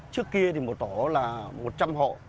trước kia thì một tổ là một trăm linh hộ